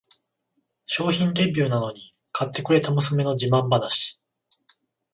商品レビューなのに買ってくれた娘の自慢話